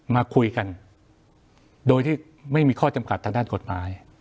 มาคุยกันโดยที่ไม่มีข้อจำกัดทางด้านกฎหมาย